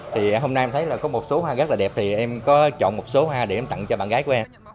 thì hôm nay em thấy có một số hoa rất là đẹp thì em có chọn một số hoa để em tặng cho bạn gái của em